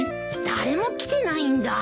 誰も来てないんだ。